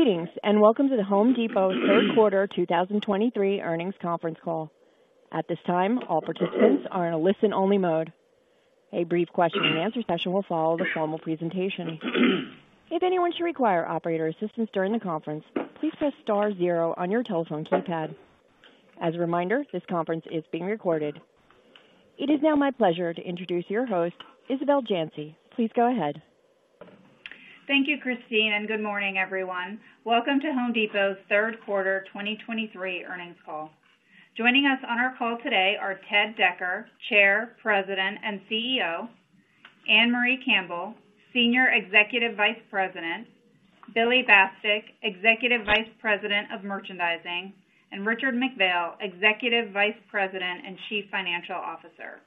Greetings, and welcome to The Home Depot third quarter 2023 earnings conference call. At this time, all participants are in a listen-only mode. A brief question and answer session will follow the formal presentation. If anyone should require operator assistance during the conference, please press star zero on your telephone keypad. As a reminder, this conference is being recorded. It is now my pleasure to introduce your host, Isabel Janci. Please go ahead. Thank you, Christine, and good morning, everyone. Welcome to The Home Depot's third quarter 2023 earnings call. Joining us on our call today are Ted Decker, Chair, President, and CEO, Ann-Marie Campbell, Senior Executive Vice President, Billy Bastek, Executive Vice President of Merchandising, and Richard McPhail, Executive Vice President and Chief Financial Officer.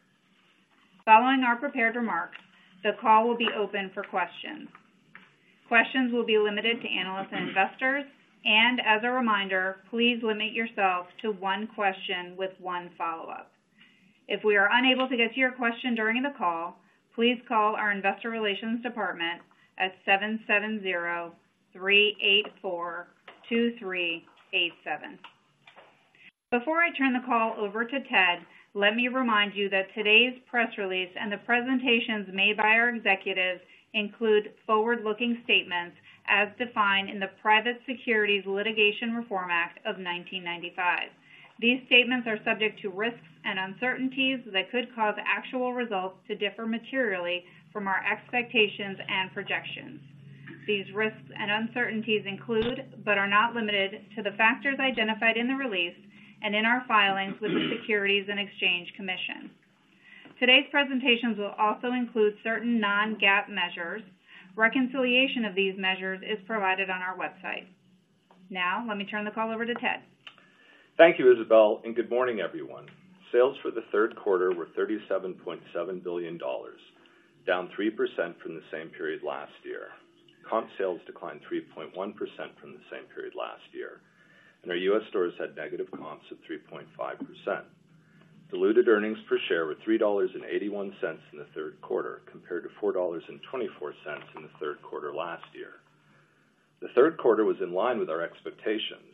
Following our prepared remarks, the call will be open for questions. Questions will be limited to analysts and investors, and as a reminder, please limit yourself to one question with one follow-up. If we are unable to get to your question during the call, please call our Investor Relations Department at 770-384-2387. Before I turn the call over to Ted, let me remind you that today's press release and the presentations made by our executives include forward-looking statements as defined in the Private Securities Litigation Reform Act of 1995. These statements are subject to risks and uncertainties that could cause actual results to differ materially from our expectations and projections. These risks and uncertainties include, but are not limited to the factors identified in the release and in our filings with the Securities and Exchange Commission. Today's presentations will also include certain non-GAAP measures. Reconciliation of these measures is provided on our website. Now, let me turn the call over to Ted. Thank you, Isabel, and good morning, everyone. Sales for the third quarter were $37.7 billion, down 3% from the same period last year. Comp sales declined 3.1% from the same period last year, and our U.S. stores had negative comps of 3.5%. Diluted earnings per share were $3.81 in the third quarter, compared to $4.24 in the third quarter last year. The third quarter was in line with our expectations.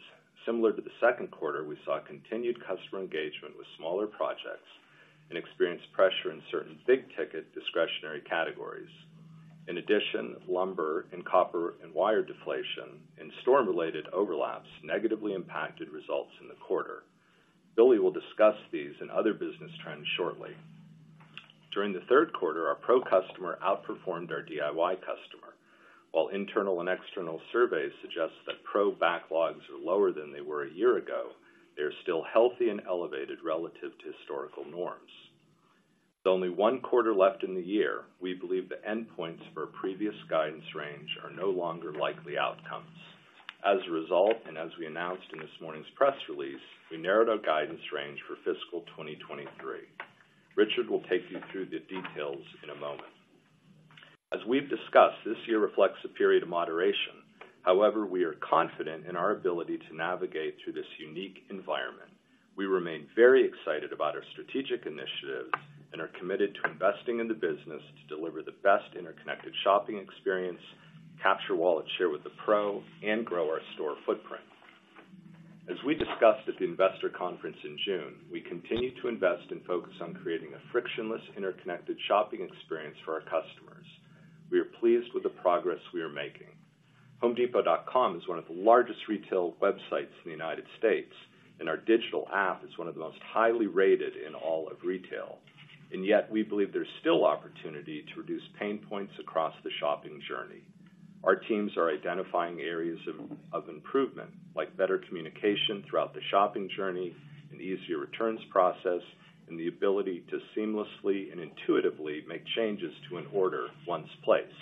Similar to the second quarter, we saw continued customer engagement with smaller projects and experienced pressure in certain big-ticket discretionary categories. In addition, lumber and copper and wire deflation and storm-related overlaps negatively impacted results in the quarter. Billy will discuss these and other business trends shortly. During the third quarter, our pro customer outperformed our DIY customer. While internal and external surveys suggest that pro backlogs are lower than they were a year ago, they are still healthy and elevated relative to historical norms. With only one quarter left in the year, we believe the endpoints for our previous guidance range are no longer likely outcomes. As a result, and as we announced in this morning's press release, we narrowed our guidance range for fiscal 2023. Richard will take you through the details in a moment. As we've discussed, this year reflects a period of moderation. However, we are confident in our ability to navigate through this unique environment. We remain very excited about our strategic initiatives and are committed to investing in the business to deliver the best interconnected shopping experience, capture wallet share with the pro, and grow our store footprint. As we discussed at the investor conference in June, we continue to invest and focus on creating a frictionless, interconnected shopping experience for our customers. We are pleased with the progress we are making. HomeDepot.com is one of the largest retail websites in the United States, and our digital app is one of the most highly rated in all of retail. And yet, we believe there's still opportunity to reduce pain points across the shopping journey. Our teams are identifying areas of improvement, like better communication throughout the shopping journey, an easier returns process, and the ability to seamlessly and intuitively make changes to an order once placed.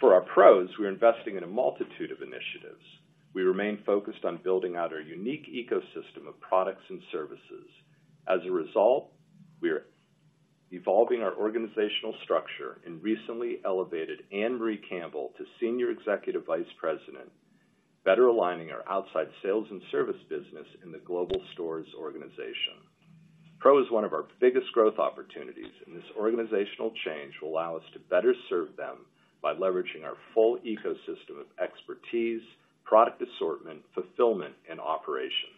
For our pros, we're investing in a multitude of initiatives. We remain focused on building out our unique ecosystem of products and services. As a result, we are evolving our organizational structure and recently elevated Ann-Marie Campbell to Senior Executive Vice President, better aligning our outside sales and service business in the global stores organization. Pro is one of our biggest growth opportunities, and this organizational change will allow us to better serve them by leveraging our full ecosystem of expertise, product assortment, fulfillment, and operations.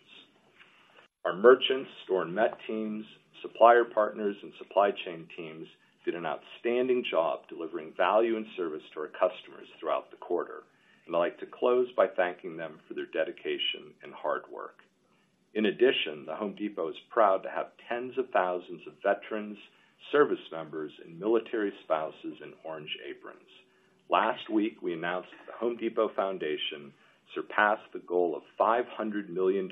Our merchants, store MET teams, supplier partners, and supply chain teams did an outstanding job delivering value and service to our customers throughout the quarter, and I'd like to close by thanking them for their dedication and hard work. In addition, The Home Depot is proud to have tens of thousands of veterans, service members, and military spouses in orange aprons. Last week, we announced The Home Depot Foundation surpassed the goal of $500 million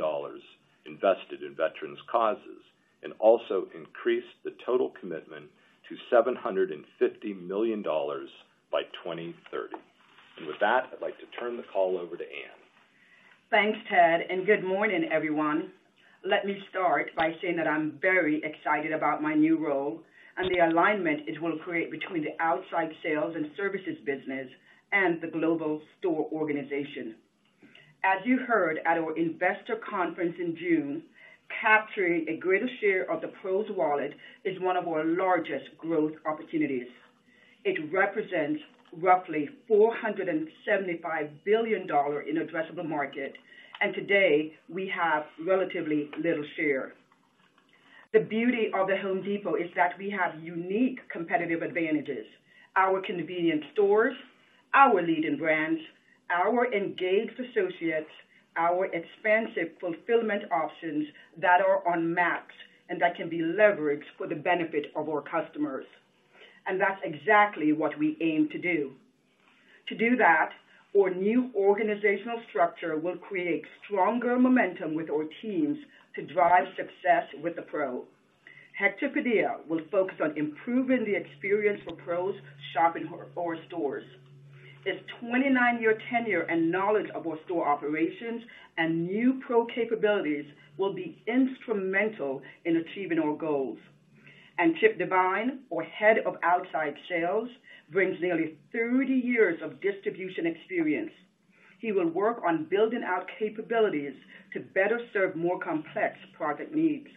invested in veterans causes, and also increased the total commitment to $750 million by 2030. With that, I'd like to turn the call over to Ann. Thanks, Ted, and good morning, everyone. Let me start by saying that I'm very excited about my new role and the alignment it will create between the outside sales and services business and the global store organization. As you heard at our investor conference in June, capturing a greater share of the pros wallet is one of our largest growth opportunities. It represents roughly $475 billion in addressable market, and today, we have relatively little share. The beauty of The Home Depot is that we have unique competitive advantages, our convenient stores, our leading brands, our engaged associates, our expansive fulfillment options that are on maps and that can be leveraged for the benefit of our customers. And that's exactly what we aim to do. To do that, our new organizational structure will create stronger momentum with our teams to drive success with the Pro. Hector Padilla will focus on improving the experience for pros shopping for our stores. His 29-year tenure and knowledge of our store operations and new pro capabilities will be instrumental in achieving our goals. Chip Devine, our Head of Outside Sales, brings nearly 30 years of distribution experience. He will work on building out capabilities to better serve more complex product needs.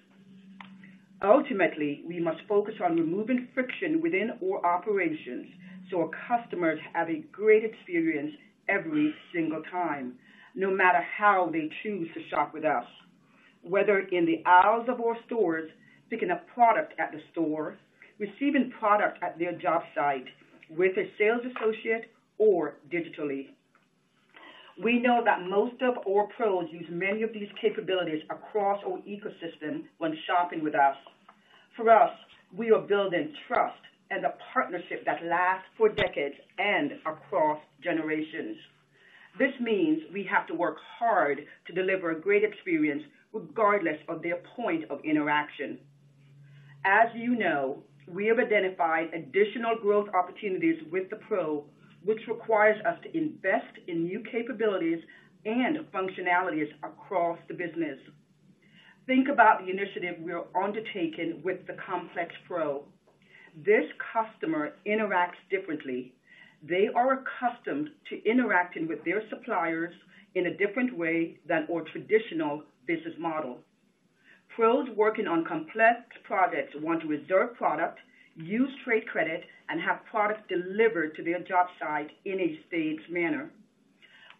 Ultimately, we must focus on removing friction within our operations so our customers have a great experience every single time, no matter how they choose to shop with us, whether in the aisles of our stores, picking a product at the store, receiving product at their job site, with a sales associate, or digitally. We know that most of our pros use many of these capabilities across our ecosystem when shopping with us. For us, we are building trust and a partnership that lasts for decades and across generations. This means we have to work hard to deliver a great experience regardless of their point of interaction. As you know, we have identified additional growth opportunities with the Pro, which requires us to invest in new capabilities and functionalities across the business. Think about the initiative we are undertaking with the Complex Pro. This customer interacts differently. They are accustomed to interacting with their suppliers in a different way than our traditional business model. Pros working on complex projects want to reserve product, use trade credit, and have products delivered to their job site in a staged manner.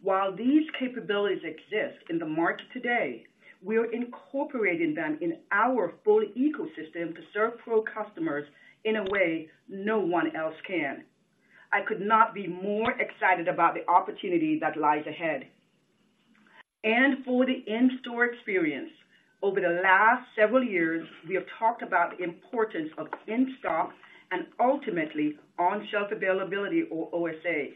While these capabilities exist in the market today, we are incorporating them in our full ecosystem to serve Pro customers in a way no one else can. I could not be more excited about the opportunity that lies ahead. For the in-store experience, over the last several years, we have talked about the importance of in-stock and ultimately on-shelf availability or OSA.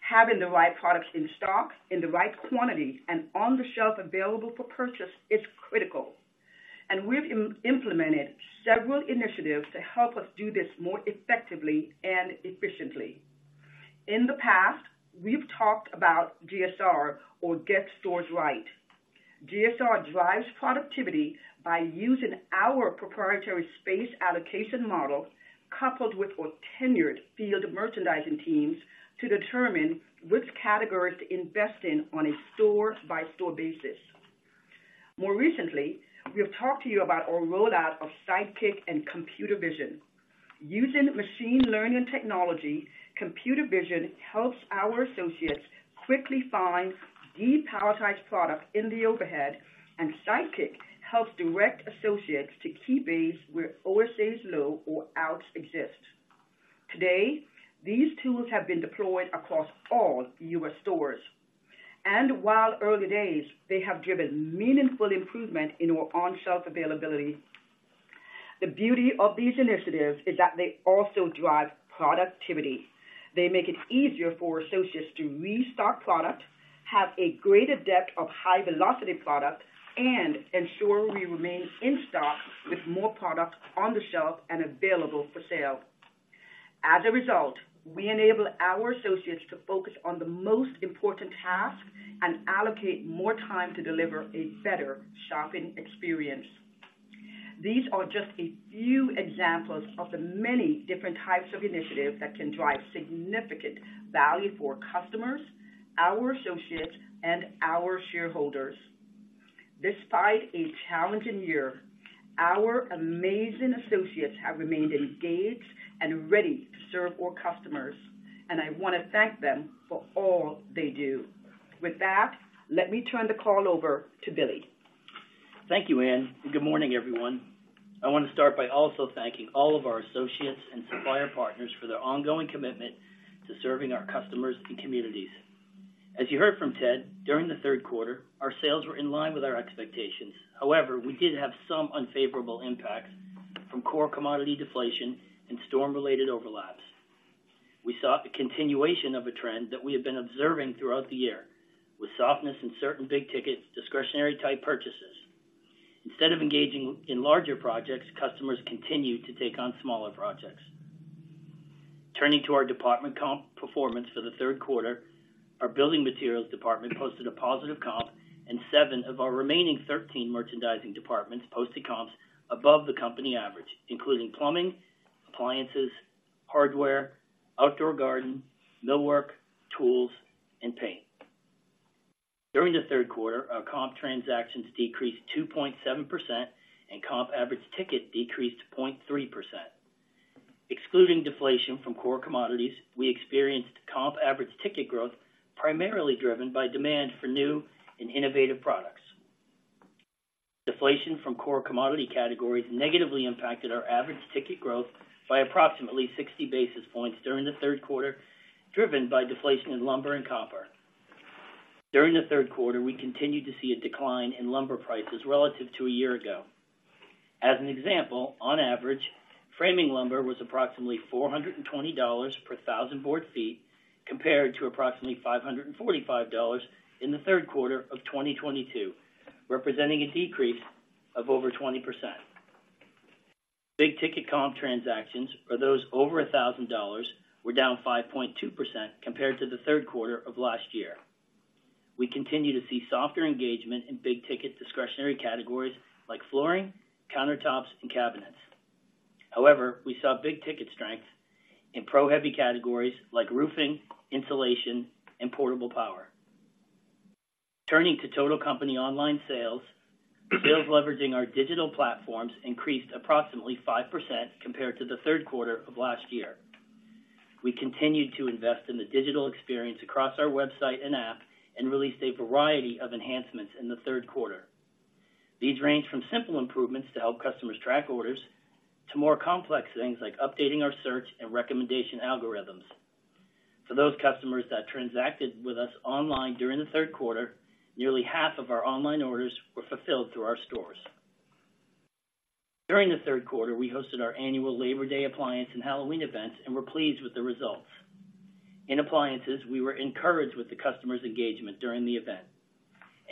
Having the right products in stock, in the right quantity, and on the shelf available for purchase is critical, and we've implemented several initiatives to help us do this more effectively and efficiently. In the past, we've talked about GSR or Get Stores Right. GSR drives productivity by using our proprietary space allocation model, coupled with our tenured field merchandising teams, to determine which categories to invest in on a store-by-store basis. More recently, we have talked to you about our rollout of Sidekick and Computer Vision. Using machine learning technology, Computer Vision helps our associates quickly find depalletized products in the overhead, and Sidekick helps direct associates to key bays where OSA is low or out-of-stocks exist. Today, these tools have been deployed across all U.S. stores, and while it's early days, they have driven meaningful improvement in our on-shelf availability. The beauty of these initiatives is that they also drive productivity. They make it easier for associates to restock product, have a greater depth of high velocity product, and ensure we remain in stock with more product on the shelf and available for sale. As a result, we enable our associates to focus on the most important tasks and allocate more time to deliver a better shopping experience. These are just a few examples of the many different types of initiatives that can drive significant value for our customers, our associates, and our shareholders. Despite a challenging year, our amazing associates have remained engaged and ready to serve our customers, and I want to thank them for all they do. With that, let me turn the call over to Billy. Thank you, Ann, and good morning, everyone. I want to start by also thanking all of our associates and supplier partners for their ongoing commitment to serving our customers and communities. As you heard from Ted, during the third quarter, our sales were in line with our expectations. However, we did have some unfavorable impacts from core commodity deflation and storm-related overlaps. We saw a continuation of a trend that we have been observing throughout the year, with softness in certain big ticket, discretionary type purchases. Instead of engaging in larger projects, customers continued to take on smaller projects. Turning to our department comp performance for the third quarter, our building materials department posted a positive comp, and 7 of our remaining 13 merchandising departments posted comps above the company average, including plumbing, appliances, hardware, outdoor garden, millwork, tools, and paint. During the third quarter, our comp transactions decreased 2.7%, and comp average ticket decreased 0.3%. Excluding deflation from core commodities, we experienced comp average ticket growth, primarily driven by demand for new and innovative products. Deflation from core commodity categories negatively impacted our average ticket growth by approximately 60 basis points during the third quarter, driven by deflation in lumber and copper. During the third quarter, we continued to see a decline in lumber prices relative to a year ago. As an example, on average, framing lumber was approximately $420 per 1,000 board feet, compared to approximately $545 in the third quarter of 2022, representing a decrease of over 20%. Big ticket comp transactions, or those over $1,000, were down 5.2% compared to the third quarter of last year. We continue to see softer engagement in big ticket discretionary categories like flooring, countertops, and cabinets. However, we saw big ticket strength in pro heavy categories like roofing, insulation, and portable power. Turning to total company online sales, sales leveraging our digital platforms increased approximately 5% compared to the third quarter of last year. We continued to invest in the digital experience across our website and app and released a variety of enhancements in the third quarter. These range from simple improvements to help customers track orders, to more complex things like updating our search and recommendation algorithms. For those customers that transacted with us online during the third quarter, nearly half of our online orders were fulfilled through our stores. During the third quarter, we hosted our annual Labor Day Appliance and Halloween events and were pleased with the results. In appliances, we were encouraged with the customer's engagement during the event.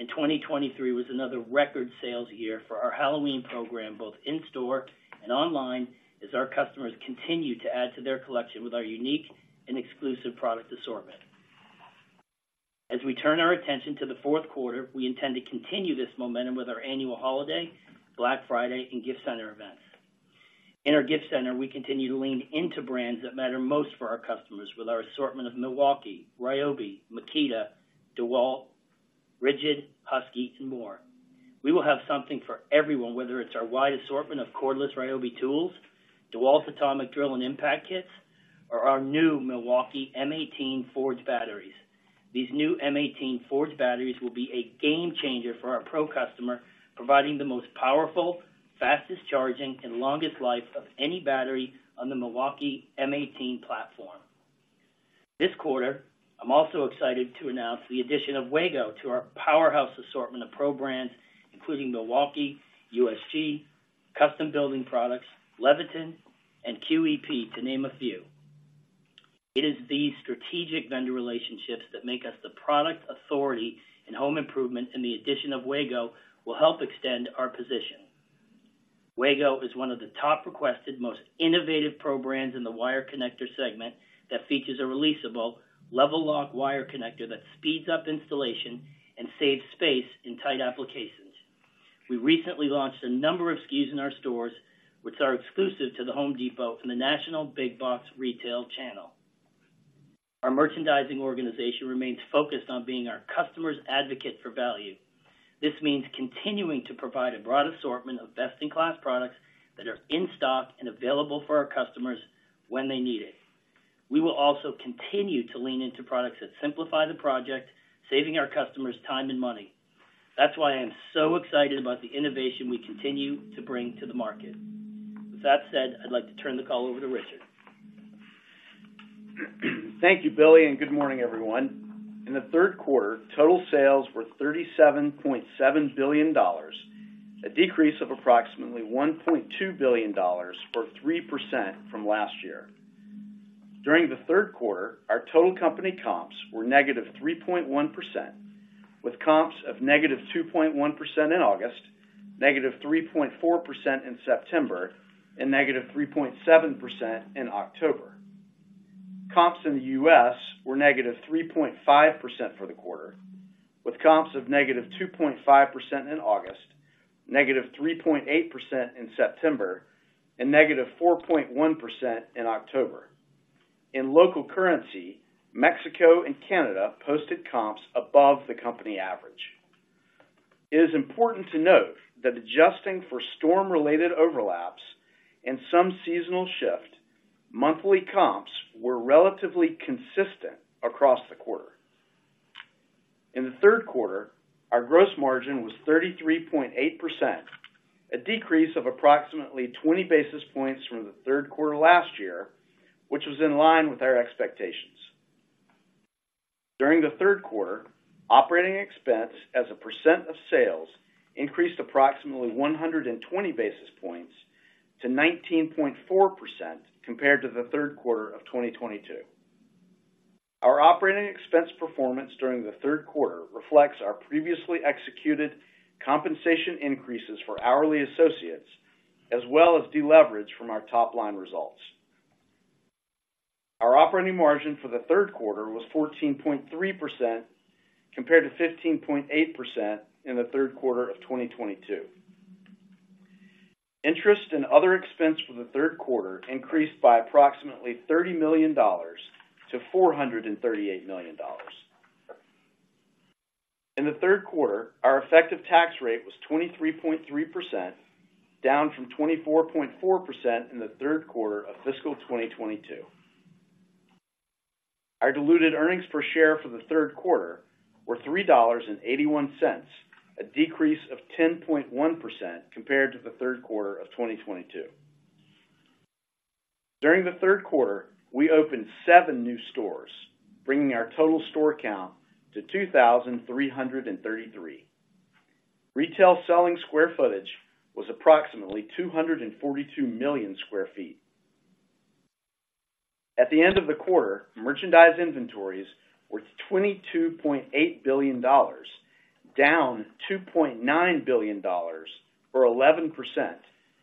In 2023 was another record sales year for our Halloween program, both in-store and online, as our customers continued to add to their collection with our unique and exclusive product assortment. As we turn our attention to the fourth quarter, we intend to continue this momentum with our annual holiday, Black Friday, and Gift Center events. In our Gift Center, we continue to lean into brands that matter most for our customers with our assortment of Milwaukee, Ryobi, Makita, DeWalt, RIDGID, Husky, and more. We will have something for everyone, whether it's our wide assortment of cordless Ryobi tools, DeWalt Atomic drill and impact kits, or our new Milwaukee M18 FORGE batteries. These new M18 FORGE batteries will be a game changer for our pro customer, providing the most powerful, fastest charging, and longest life of any battery on the Milwaukee M18 platform. This quarter, I'm also excited to announce the addition of WAGO to our powerhouse assortment of pro brands, including Milwaukee, USG, Custom Building Products, Leviton, and QEP, to name a few. It is these strategic vendor relationships that make us the product authority in home improvement, and the addition of WAGO will help extend our position. WAGO is one of the top requested, most innovative pro brands in the wire connector segment that features a releasable lever lock wire connector that speeds up installation and saves space in tight applications. We recently launched a number of SKUs in our stores, which are exclusive to The Home Depot from the national big box retail channel. Our merchandising organization remains focused on being our customer's advocate for value. This means continuing to provide a broad assortment of best-in-class products that are in stock and available for our customers when they need it. We will also continue to lean into products that simplify the project, saving our customers time and money. That's why I am so excited about the innovation we continue to bring to the market. With that said, I'd like to turn the call over to Richard. Thank you, Billy, and good morning, everyone. In the third quarter, total sales were $37.7 billion, a decrease of approximately $1.2 billion, or 3% from last year. During the third quarter, our total company comps were -3.1%, with comps of -2.1% in August, -3.4% in September, and -3.7% in October. Comps in the U.S. were -3.5% for the quarter, with comps of -2.5% in August, -3.8% in September, and -4.1% in October. In local currency, Mexico and Canada posted comps above the company average. It is important to note that adjusting for storm-related overlaps and some seasonal shift, monthly comps were relatively consistent across the quarter. In the third quarter, our gross margin was 33.8%, a decrease of approximately 20 basis points from the third quarter last year, which was in line with our expectations. During the third quarter, operating expense as a percent of sales increased approximately 120 basis points to 19.4% compared to the third quarter of 2022. Our operating expense performance during the third quarter reflects our previously executed compensation increases for hourly associates, as well as deleverage from our top line results.... Our operating margin for the third quarter was 14.3%, compared to 15.8% in the third quarter of 2022. Interest and other expense for the third quarter increased by approximately $30 million to $438 million. In the third quarter, our effective tax rate was 23.3%, down from 24.4% in the third quarter of fiscal 2022. Our diluted earnings per share for the third quarter were $3.81, a decrease of 10.1% compared to the third quarter of 2022. During the third quarter, we opened 7 new stores, bringing our total store count to 2,333. Retail selling square footage was approximately 242 million sq ft. At the end of the quarter, merchandise inventories were $22.8 billion, down $2.9 billion, or 11%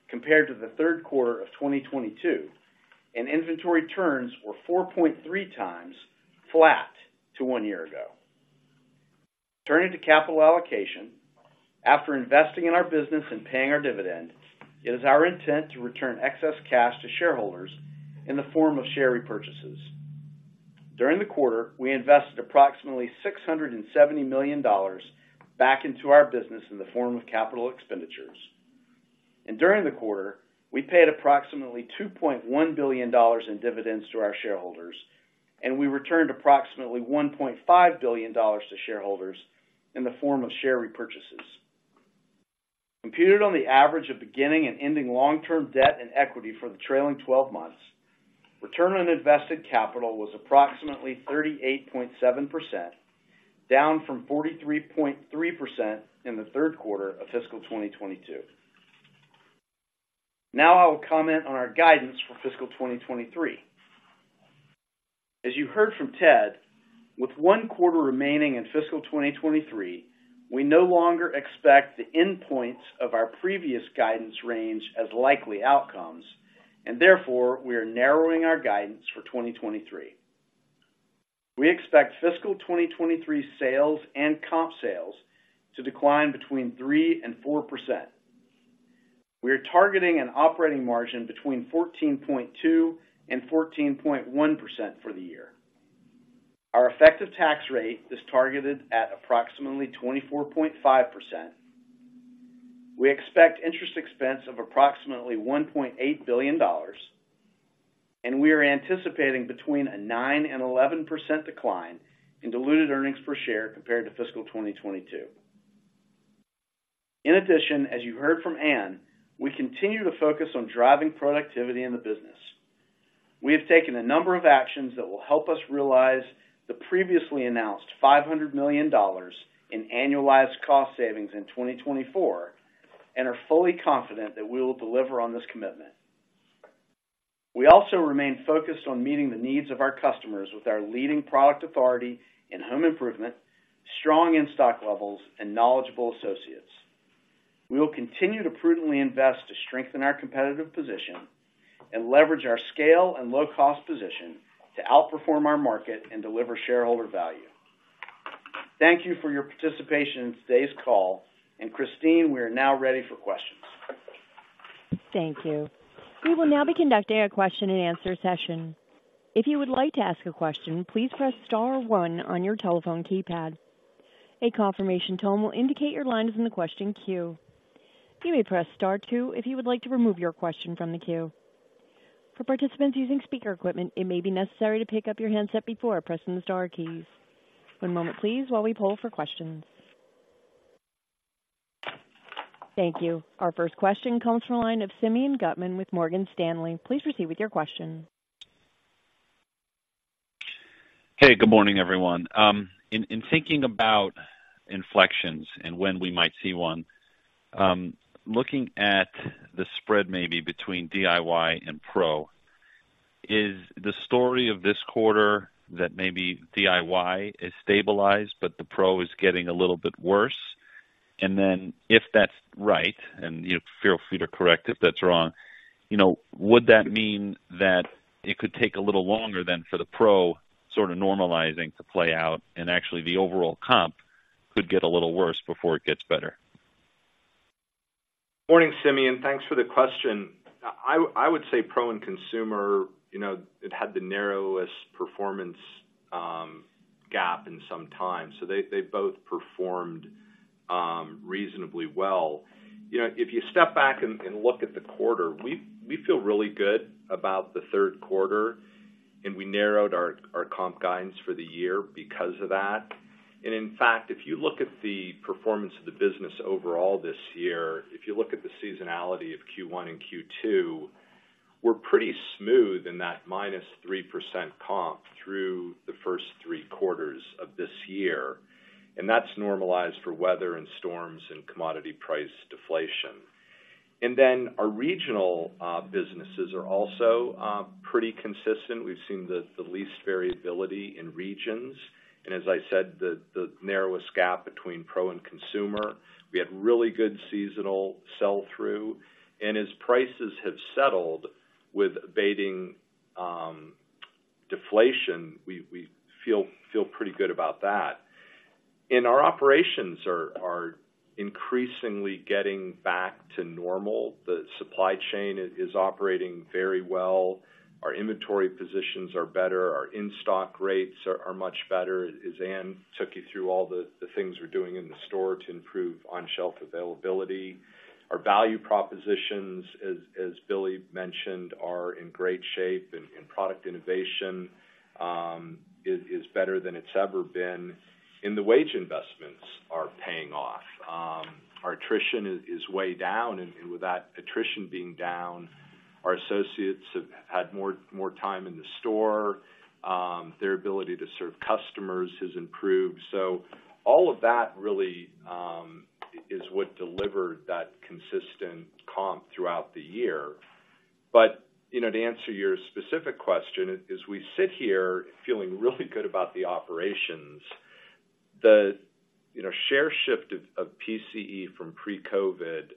compared to the third quarter of 2022, and inventory turns were 4.3 times flat to one year ago. Turning to capital allocation. After investing in our business and paying our dividend, it is our intent to return excess cash to shareholders in the form of share repurchases. During the quarter, we invested approximately $670 million back into our business in the form of capital expenditures. During the quarter, we paid approximately $2.1 billion in dividends to our shareholders, and we returned approximately $1.5 billion to shareholders in the form of share repurchases. Computed on the average of beginning and ending long-term debt and equity for the trailing twelve months, return on invested capital was approximately 38.7%, down from 43.3% in the third quarter of fiscal 2022. Now I will comment on our guidance for fiscal 2023. As you heard from Ted, with one quarter remaining in fiscal 2023, we no longer expect the endpoints of our previous guidance range as likely outcomes, and therefore, we are narrowing our guidance for 2023. We expect fiscal 2023 sales and comp sales to decline 3%-4%. We are targeting an operating margin 14.2%-14.1% for the year. Our effective tax rate is targeted at approximately 24.5%. We expect interest expense of approximately $1.8 billion, and we are anticipating a 9%-11% decline in diluted earnings per share compared to fiscal 2022. In addition, as you heard from Ann, we continue to focus on driving productivity in the business. We have taken a number of actions that will help us realize the previously announced $500 million in annualized cost savings in 2024 and are fully confident that we will deliver on this commitment. We also remain focused on meeting the needs of our customers with our leading product authority in home improvement, strong in-stock levels, and knowledgeable associates. We will continue to prudently invest to strengthen our competitive position and leverage our scale and low-cost position to outperform our market and deliver shareholder value. Thank you for your participation in today's call, and Christine, we are now ready for questions. Thank you. We will now be conducting a question-and-answer session. If you would like to ask a question, please press star one on your telephone keypad. A confirmation tone will indicate your line is in the question queue. You may press star two if you would like to remove your question from the queue. For participants using speaker equipment, it may be necessary to pick up your handset before pressing the star keys. One moment, please, while we poll for questions. Thank you. Our first question comes from the line of Simeon Gutman with Morgan Stanley. Please proceed with your question. Hey, good morning, everyone. In thinking about inflections and when we might see one, looking at the spread maybe between DIY and pro, is the story of this quarter that maybe DIY is stabilized, but the pro is getting a little bit worse? And then, if that's right, and feel free to correct if that's wrong, you know, would that mean that it could take a little longer then for the pro sort of normalizing to play out, and actually the overall comp could get a little worse before it gets better? Morning, Simeon. Thanks for the question. I would say pro and consumer, you know, it had the narrowest performance gap in some time, so they both performed reasonably well. You know, if you step back and look at the quarter, we feel really good about the third quarter, and we narrowed our comp guidance for the year because of that. And in fact, if you look at the performance of the business overall this year, if you look at the seasonality of Q1 and Q2, we're pretty smooth in that -3% comp through the first three quarters of this year, and that's normalized for weather and storms and commodity price deflation. And then our regional businesses are also pretty consistent. We've seen the least variability in regions, and as I said, the narrowest gap between pro and consumer. We had really good seasonal sell-through, and as prices have settled with abating deflation, we feel pretty good about that. Our operations are increasingly getting back to normal. The supply chain is operating very well. Our inventory positions are better, our in-stock rates are much better, as Ann took you through all the things we're doing in the store to improve on-shelf availability. Our value propositions, as Billy mentioned, are in great shape, and product innovation is better than it's ever been, and the wage investments are paying off. Our attrition is way down, and with that attrition being down, our associates have had more time in the store, their ability to serve customers has improved. So all of that really is what delivered that consistent comp throughout the year. But, you know, to answer your specific question, as we sit here feeling really good about the operations, the, you know, share shift of PCE from pre-COVID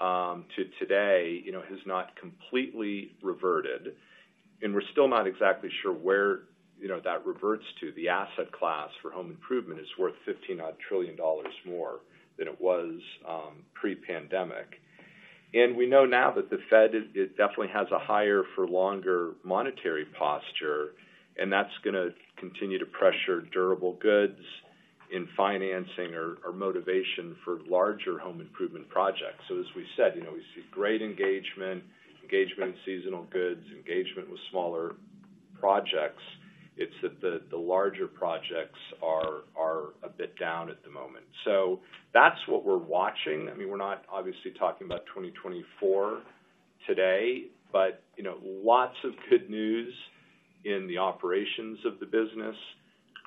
to today, you know, has not completely reverted, and we're still not exactly sure where, you know, that reverts to. The asset class for home improvement is worth $15-odd trillion more than it was pre-pandemic. And we know now that the Fed, it definitely has a higher for longer monetary posture, and that's gonna continue to pressure durable goods in financing or motivation for larger home improvement projects. So as we said, you know, we see great engagement in seasonal goods, engagement with smaller projects. It's that the larger projects are a bit down at the moment. So that's what we're watching. I mean, we're not obviously talking about 2024 today, but, you know, lots of good news in the operations of the business.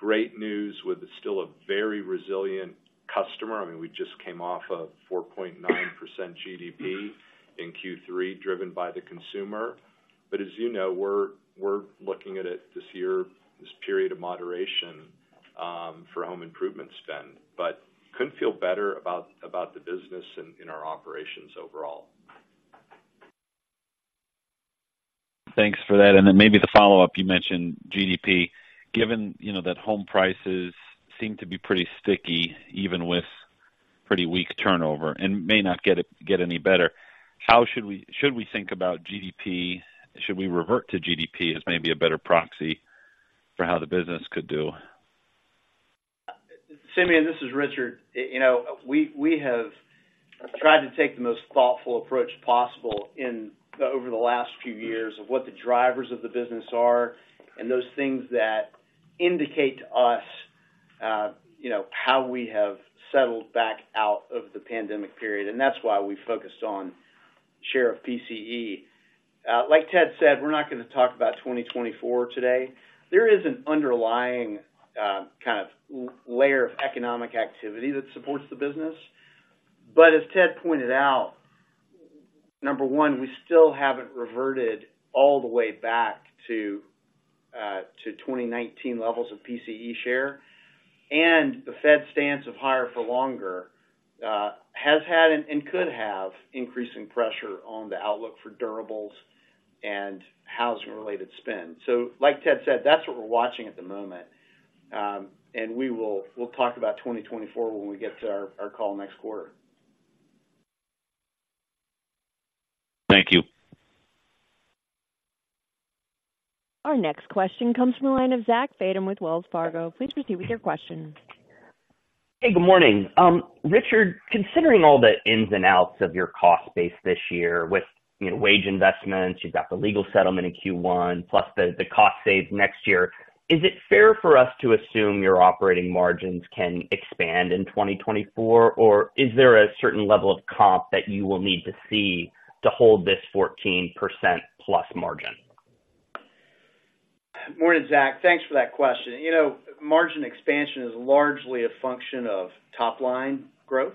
Great news with still a very resilient customer. I mean, we just came off of 4.9% GDP in Q3, driven by the consumer. But as you know, we're, we're looking at it this year, this period of moderation, for home improvement spend, but couldn't feel better about, about the business and in our operations overall. Thanks for that. And then maybe the follow-up, you mentioned GDP. Given, you know, that home prices seem to be pretty sticky, even with pretty weak turnover and may not get any better, how should we... Should we think about GDP? Should we revert to GDP as maybe a better proxy for how the business could do? Simeon, this is Richard. You know, we have tried to take the most thoughtful approach possible in over the last few years of what the drivers of the business are, and those things that indicate to us, you know, how we have settled back out of the pandemic period, and that's why we focused on share of PCE. Like Ted said, we're not gonna talk about 2024 today. There is an underlying kind of layer of economic activity that supports the business. But as Ted pointed out, number one, we still haven't reverted all the way back to 2019 levels of PCE share, and the Fed stance of higher for longer has had and could have increasing pressure on the outlook for durables and housing-related spend. So like Ted said, that's what we're watching at the moment. We'll talk about 2024 when we get to our call next quarter. Thank you. Our next question comes from the line of Zach Fadem with Wells Fargo. Please proceed with your question. Hey, good morning. Richard, considering all the ins and outs of your cost base this year with, you know, wage investments, you've got the legal settlement in Q1, plus the cost saves next year, is it fair for us to assume your operating margins can expand in 2024? Or is there a certain level of comp that you will need to see to hold this 14%+ margin? Morning, Zach. Thanks for that question. You know, margin expansion is largely a function of top-line growth.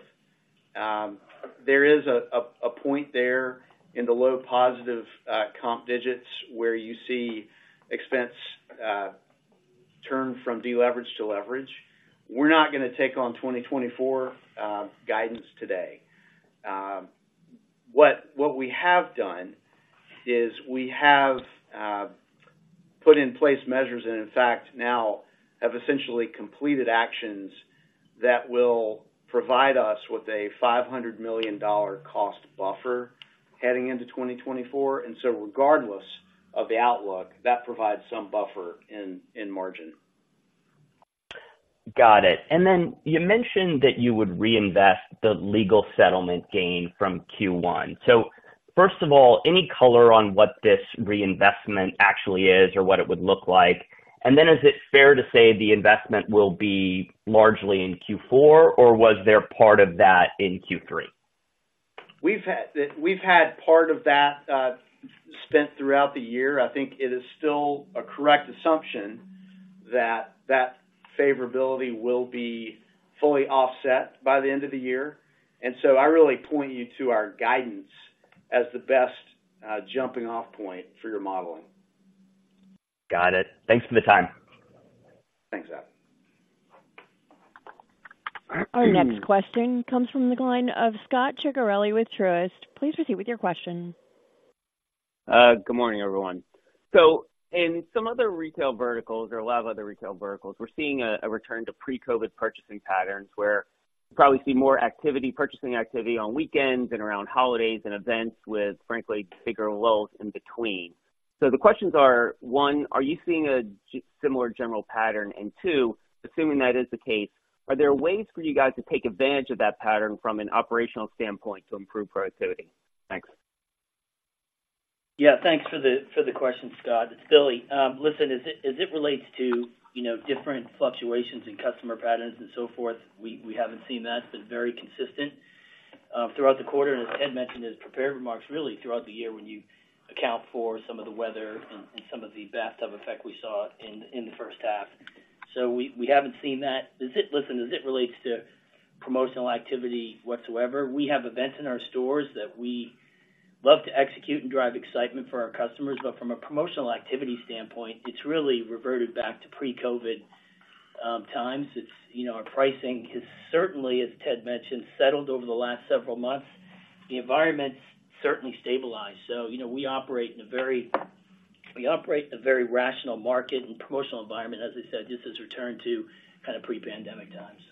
There is a point there in the low positive comp digits where you see expense turn from deleverage to leverage. We're not gonna take on 2024 guidance today. What we have done is we have put in place measures and in fact, now have essentially completed actions that will provide us with a $500 million cost buffer heading into 2024, and so regardless of the outlook, that provides some buffer in margin. Got it. And then you mentioned that you would reinvest the legal settlement gain from Q1. So first of all, any color on what this reinvestment actually is or what it would look like? And then is it fair to say the investment will be largely in Q4, or was there part of that in Q3? We've had, we've had part of that, spent throughout the year. I think it is still a correct assumption that that favorability will be fully offset by the end of the year. And so I really point you to our guidance as the best, jumping off point for your modeling. Got it. Thanks for the time. Thanks, Zach. Our next question comes from the line of Scott Ciccarelli with Truist. Please proceed with your question. Good morning, everyone. So in some other retail verticals or a lot of other retail verticals, we're seeing a return to pre-COVID purchasing patterns, where you probably see more activity, purchasing activity on weekends and around holidays and events with, frankly, bigger lulls in between. So the questions are, one, are you seeing a similar general pattern? And two, assuming that is the case, are there ways for you guys to take advantage of that pattern from an operational standpoint to improve productivity? Thanks. Yeah, thanks for the, for the question, Scott. It's Billy. Listen, as it relates to, you know, different fluctuations in customer patterns and so forth, we haven't seen that, been very consistent throughout the quarter. And as Ted mentioned in his prepared remarks, really throughout the year, when you account for some of the weather and some of the bathtub effect we saw in the first half. So we haven't seen that. Listen, as it relates to promotional activity whatsoever, we have events in our stores that we love to execute and drive excitement for our customers, but from a promotional activity standpoint, it's really reverted back to pre-COVID times. It's, you know, our pricing has certainly, as Ted mentioned, settled over the last several months. The environment's certainly stabilized. So, you know, we operate in a very rational market and promotional environment. As I said, this has returned to kind of pre-pandemic times.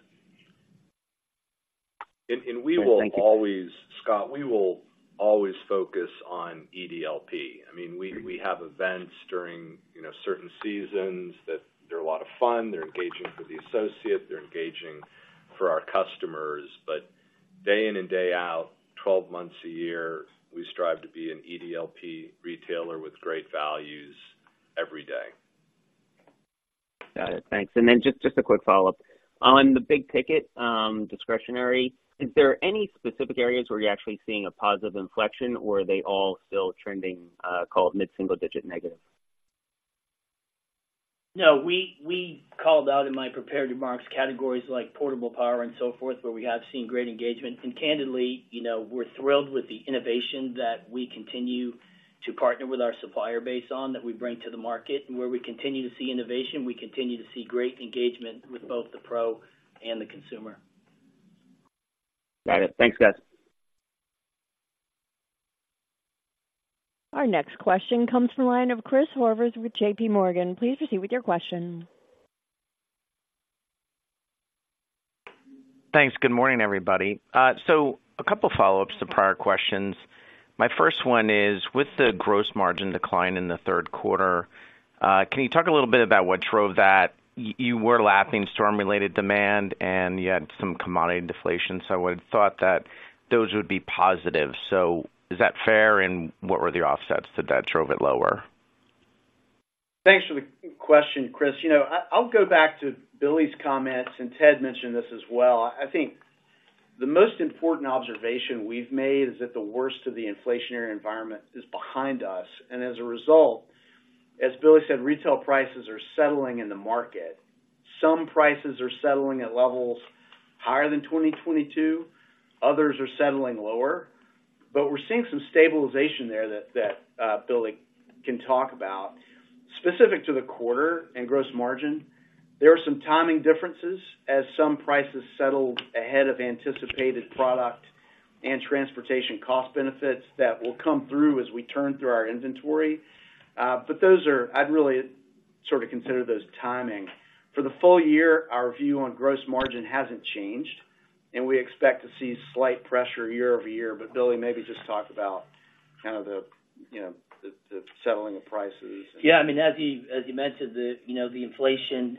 We will always- Thank you. Scott, we will always focus on EDLP. I mean, we have events during, you know, certain seasons that they're a lot of fun. They're engaging for the associates, they're engaging for our customers. But day in and day out, 12 months a year, we strive to be an EDLP retailer with great values every day. Got it. Thanks. And then just a quick follow-up. On the big ticket, discretionary, is there any specific areas where you're actually seeing a positive inflection, or are they all still trending, called mid-single digit negative? No, we called out in my prepared remarks, categories like portable power and so forth, where we have seen great engagement. Candidly, you know, we're thrilled with the innovation that we continue to partner with our supplier base on, that we bring to the market. Where we continue to see innovation, we continue to see great engagement with both the Pro and the consumer. Got it. Thanks, guys. Our next question comes from the line of Chris Horvers with JP Morgan. Please proceed with your question. Thanks. Good morning, everybody. So a couple follow-ups to prior questions. My first one is: With the gross margin decline in the third quarter, can you talk a little bit about what drove that? You were lapping storm-related demand, and you had some commodity deflation, so I would've thought that those would be positive. So is that fair? And what were the offsets that drove it lower? Thanks for the question, Chris. You know, I'll go back to Billy's comments, and Ted mentioned this as well. I think the most important observation we've made is that the worst of the inflationary environment is behind us, and as a result, as Billy said, retail prices are settling in the market. Some prices are settling at levels higher than 2022, others are settling lower, but we're seeing some stabilization there that Billy can talk about. Specific to the quarter and gross margin, there are some timing differences as some prices settle ahead of anticipated product and transportation cost benefits that will come through as we turn through our inventory. But those are. I'd really sort of consider those timing. For the full year, our view on gross margin hasn't changed, and we expect to see slight pressure year-over-year. But, Billy, maybe just talk about kind of the, you know, the settling of prices. Yeah, I mean, as you mentioned, you know, the inflation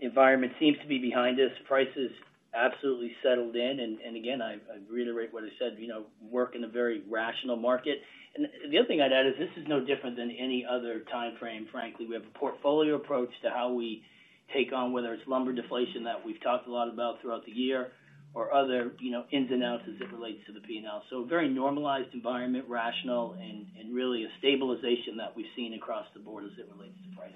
environment seems to be behind us. Prices absolutely settled in, and again, I reiterate what I said, you know, work in a very rational market. And the other thing I'd add is this is no different than any other timeframe, frankly. We have a portfolio approach to how we take on, whether it's lumber deflation that we've talked a lot about throughout the year or other, you know, ins and outs as it relates to the P&L. So a very normalized environment, rational and really a stabilization that we've seen across the board as it relates to pricing.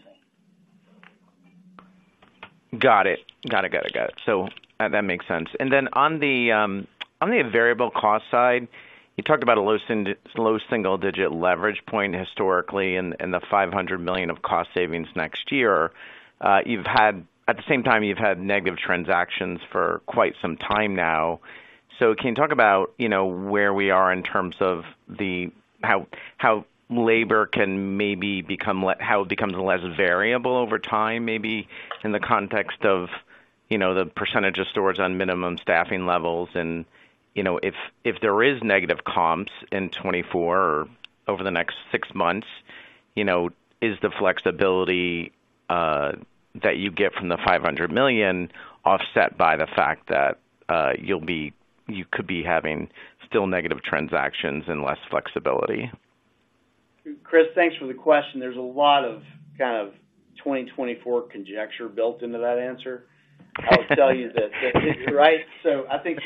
Got it. Got it, got it, got it. So that makes sense. And then on the variable cost side, you talked about a low single digit leverage point historically and the $500 million of cost savings next year. At the same time, you've had negative transactions for quite some time now. So can you talk about, you know, where we are in terms of how it becomes less variable over time, maybe in the context of, you know, the percentage of stores on minimum staffing levels? You know, if there is negative comps in 2024 or over the next six months, you know, is the flexibility that you get from the $500 million offset by the fact that you could be having still negative transactions and less flexibility? Chris, thanks for the question. There's a lot of kind of 2024 conjecture built into that answer. I'll tell you that. Right? So I think,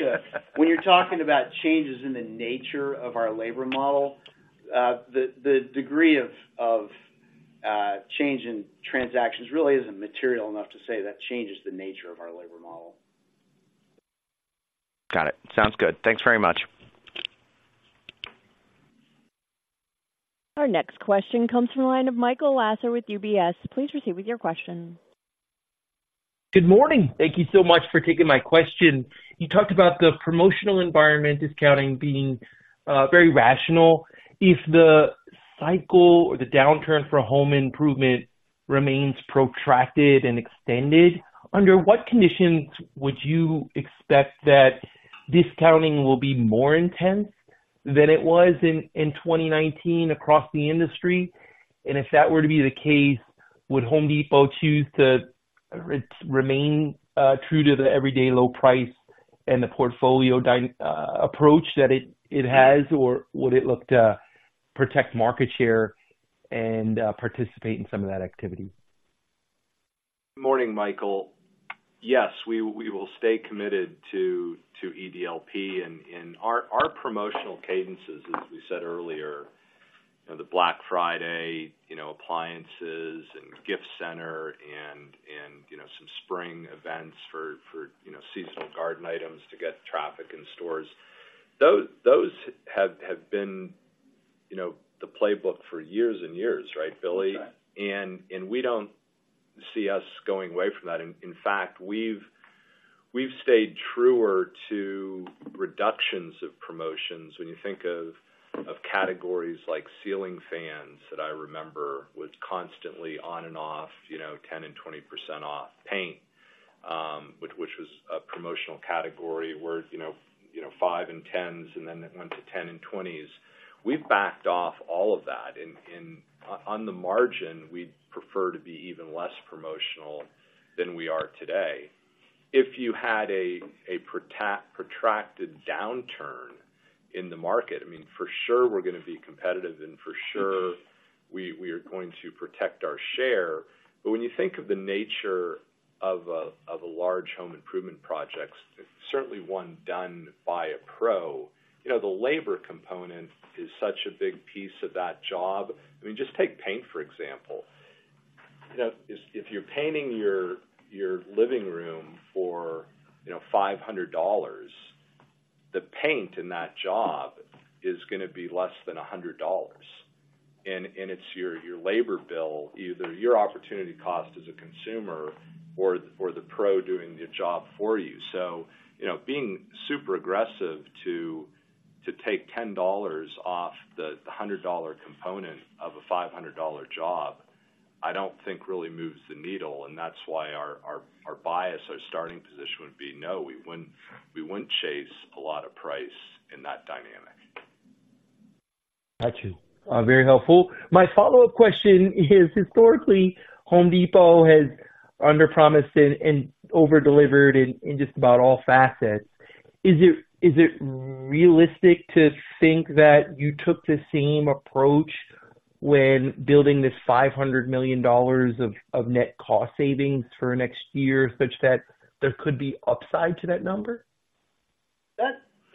when you're talking about changes in the nature of our labor model, the degree of change in transactions really isn't material enough to say that changes the nature of our labor model. Got it. Sounds good. Thanks very much. Our next question comes from the line of Michael Lasser with UBS. Please proceed with your question. Good morning. Thank you so much for taking my question. You talked about the promotional environment discounting being very rational. If the cycle or the downturn for home improvement remains protracted and extended, under what conditions would you expect that discounting will be more intense than it was in 2019 across the industry? And if that were to be the case, would Home Depot choose to remain true to the everyday low price and the portfolio dynamic approach that it has, or would it look to protect market share and participate in some of that activity? Good morning, Michael. Yes, we will stay committed to EDLP and our promotional cadences, as we said earlier, you know, the Black Friday, you know, appliances and gift center and, you know, some spring events for you know, seasonal garden items to get traffic in stores. Those have been, you know, the playbook for years and years, right, Billy? Exactly. And we don't see us going away from that. In fact, we've stayed truer to reductions of promotions. When you think of categories like ceiling fans that I remember was constantly on and off, you know, 10% and 20% off paint, which was a promotional category where, you know, 5% and 10%, and then it went to 10% and 20%. We've backed off all of that. And on the margin, we'd prefer to be even less promotional than we are today. If you had a protracted downturn in the market, I mean, for sure we're gonna be competitive, and for sure, we are going to protect our share. But when you think of the nature of a large home improvement project, certainly one done by a pro, you know, the labor component is such a big piece of that job. I mean, just take paint, for example. You know, if you're painting your living room for, you know, $500, the paint in that job is gonna be less than $100, and it's your labor bill, either your opportunity cost as a consumer or the pro doing the job for you. So, you know, being super aggressive to take $10 off the $100 component of a $500 job, I don't think really moves the needle, and that's why our bias, our starting position would be, no, we wouldn't chase a lot of price in that dynamic. Got you. Very helpful. My follow-up question is, historically, Home Depot has underpromised and over-delivered in just about all facets. Is it realistic to think that you took the same approach when building this $500 million of net cost savings for next year, such that there could be upside to that number?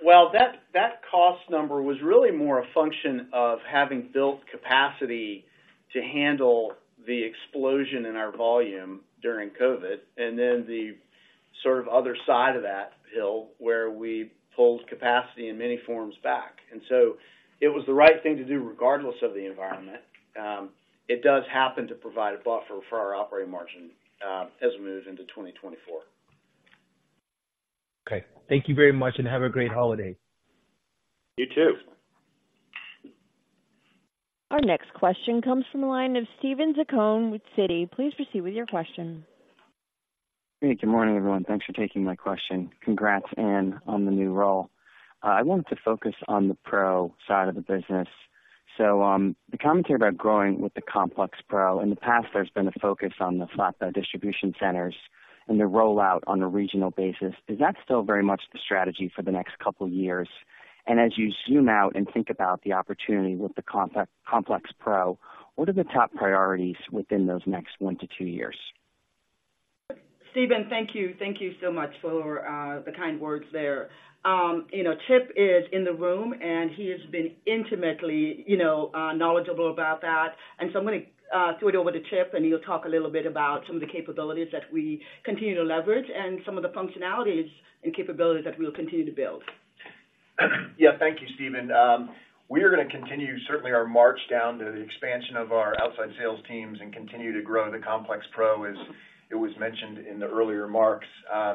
Well, that cost number was really more a function of having built capacity to handle the explosion in our volume during COVID, and then the sort of other side of that hill, where we pulled capacity in many forms back. And so it was the right thing to do, regardless of the environment. It does happen to provide a buffer for our operating margin, as we move into 2024. Okay, thank you very much, and have a great holiday. You, too. Our next question comes from the line of Steven Zaccone with Citi. Please proceed with your question. Hey, good morning, everyone. Thanks for taking my question. Congrats, Ann, on the new role. I wanted to focus on the pro side of the business. So, the commentary about growing with the complex pro, in the past, there's been a focus on the flatbed distribution centers and the rollout on a regional basis. Is that still very much the strategy for the next couple of years? And as you zoom out and think about the opportunity with the complex pro, what are the top priorities within those next one to two years? Steven, thank you. Thank you so much for the kind words there. You know, Chip is in the room, and he has been intimately, you know, knowledgeable about that. And so I'm gonna throw it over to Chip, and he'll talk a little bit about some of the capabilities that we continue to leverage and some of the functionalities and capabilities that we'll continue to build. Yeah, thank you, Steven. We are gonna continue, certainly our march down to the expansion of our outside sales teams and continue to grow the complex Pro, as it was mentioned in the earlier remarks.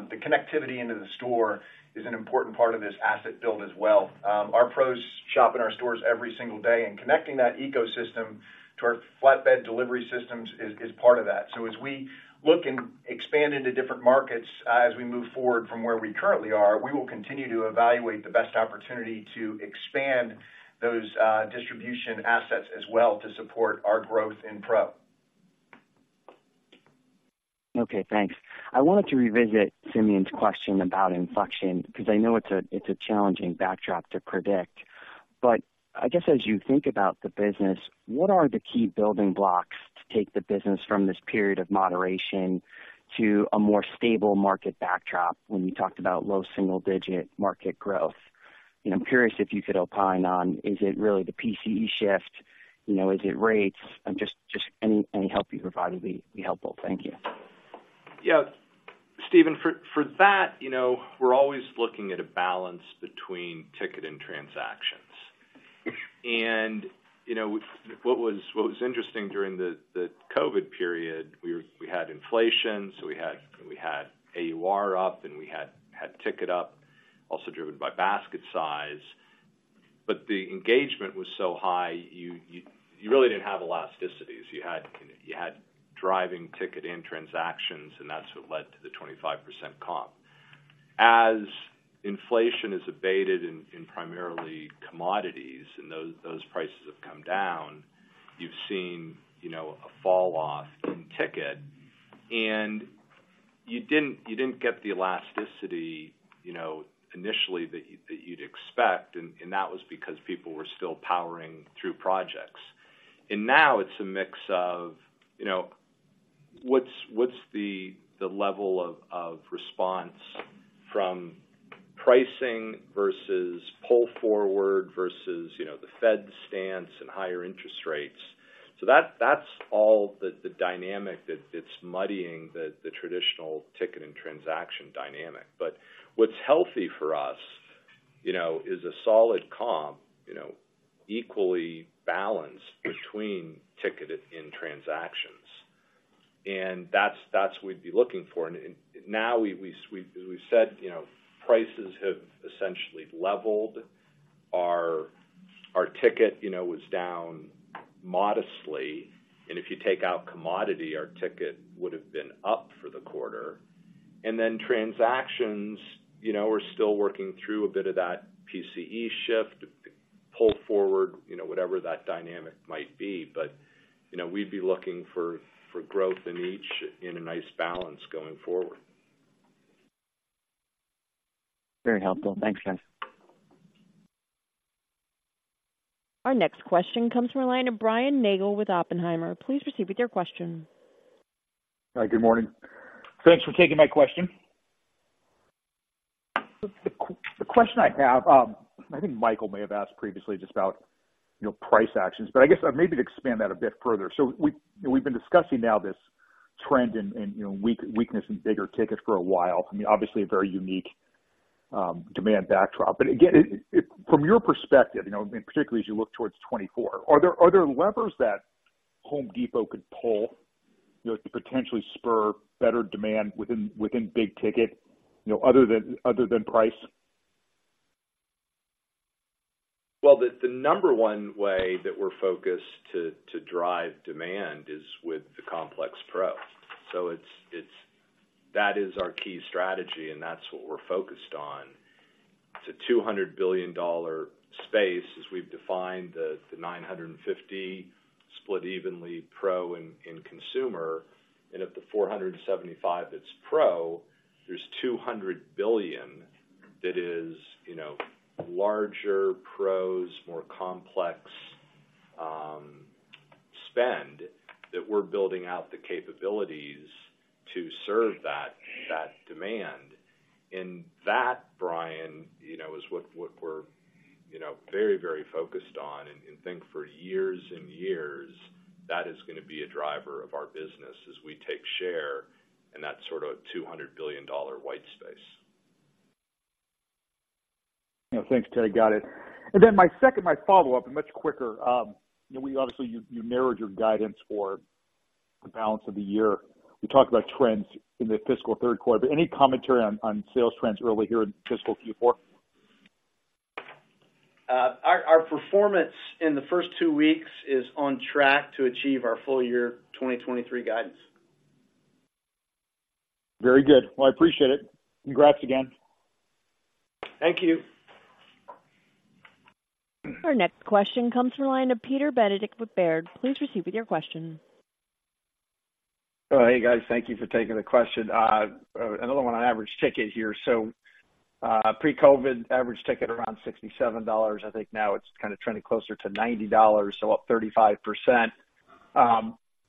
The connectivity into the store is an important part of this asset build as well. Our pros shop in our stores every single day, and connecting that ecosystem to our flatbed delivery systems is, is part of that. So as we look and expand into different markets, as we move forward from where we currently are, we will continue to evaluate the best opportunity to expand those, distribution assets as well to support our growth in Pro. Okay, thanks. I wanted to revisit Simeon's question about inflection, because I know it's a challenging backdrop to predict. But I guess as you think about the business, what are the key building blocks to take the business from this period of moderation to a more stable market backdrop when you talked about low single digit market growth? You know, I'm curious if you could opine on, is it really the PCE shift? You know, is it rates? Just any help you provide would be helpful. Thank you. Yeah... You know, we're always looking at a balance between ticket and transactions. And, you know, what was interesting during the COVID period, we were. We had inflation, so we had AUR up, and we had ticket up, also driven by basket size. But the engagement was so high, you really didn't have elasticities. You had driving ticket and transactions, and that's what led to the 25% comp. As inflation is abated in primarily commodities and those prices have come down, you've seen, you know, a falloff in ticket, and you didn't get the elasticity, you know, initially that you'd expect, and that was because people were still powering through projects. Now it's a mix of, you know, what's the level of response from pricing versus pull forward versus, you know, the Fed stance and higher interest rates. So that's all the dynamic that it's muddying the traditional ticket and transaction dynamic. But what's healthy for us, you know, is a solid comp, you know, equally balanced between ticket and transactions. And that's what we'd be looking for. And now we've, as we've said, you know, prices have essentially leveled. Our ticket, you know, was down modestly, and if you take out commodity, our ticket would have been up for the quarter. And then, transactions, you know, we're still working through a bit of that PCE shift, pull forward, you know, whatever that dynamic might be. But, you know, we'd be looking for growth in each, in a nice balance going forward. Very helpful. Thanks, guys. Our next question comes from the line of Brian Nagel with Oppenheimer. Please proceed with your question. Hi, good morning. Thanks for taking my question. The question I have, I think Michael may have asked previously just about, you know, price actions, but I guess maybe to expand that a bit further. So we've been discussing now this trend and, you know, weakness in bigger tickets for a while. I mean, obviously a very unique demand backdrop. But again, from your perspective, you know, and particularly as you look towards 2024, are there levers that Home Depot could pull, you know, to potentially spur better demand within big ticket, you know, other than price? Well, the number one way that we're focused to drive demand is with the complex Pro. So it's that is our key strategy, and that's what we're focused on. It's a $200 billion space, as we've defined the 950 split evenly Pro and consumer. And of the 475, that's Pro, there's $200 billion that is, you know, larger pros, more complex spend, that we're building out the capabilities to serve that demand. And that, Brian, you know, is what we're, you know, very, very focused on. And think for years and years, that is gonna be a driver of our business as we take share in that sort of $200 billion white space. Yeah. Thanks, Ted. Got it. And then my second, my follow-up and much quicker. You know, we obviously, you, you narrowed your guidance for the balance of the year. We talked about trends in the fiscal third quarter, but any commentary on, on sales trends early here in fiscal Q4? Our performance in the first two weeks is on track to achieve our full year 2023 guidance. Very good. Well, I appreciate it. Congrats again. Thank you. Our next question comes from the line of Peter Benedict with Baird. Please proceed with your question. Oh, hey, guys, thank you for taking the question. Another one on average ticket here. So, pre-COVID, average ticket around $67. I think now it's kind of trending closer to $90, so up 35%.